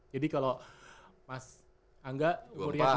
jadi kalo mas angga umurnya dua puluh gitu ya